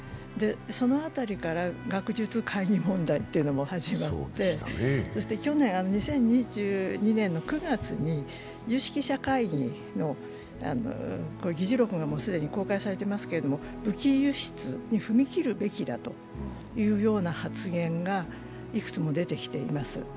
その辺りから学術会議問題というのも始まって、そして去年、２０２２年の９月に有識者会議の議事録が既に公開されてますけれども武器輸出に踏み切るべきだという発言がいくつも出てきています。